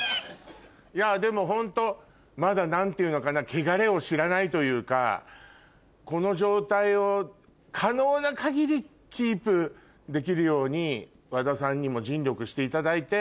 でもホントまだ何ていうのかなけがれを知らないというかこの状態を可能な限りキープできるように和田さんにも尽力していただいて。